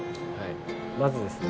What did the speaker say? まずですね